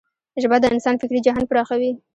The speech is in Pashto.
ژبه د انسان فکري جهان پراخوي.